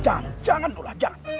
jangan jangan jangan